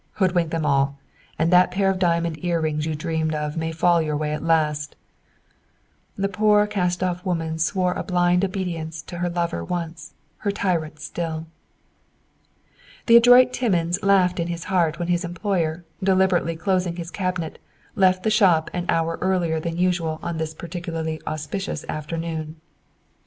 Hoodwink them all! And that pair of diamond ear rings you dreamed of may fall your way at last!" The poor cast off woman swore a blind obedience to her lover once, her tyrant still. The adroit Timmins laughed in his heart when his employer, deliberately closing his cabinet, left the shop an hour earlier than usual on this particularly auspicious afternoon.